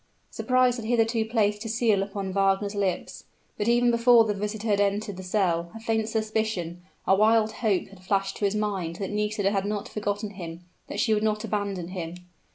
Surprise had hitherto placed a seal upon Wagner's lips; but even before the visitor had entered the cell, a faint suspicion a wild hope had flashed to his mind that Nisida had not forgotten him, that she would not abandon him.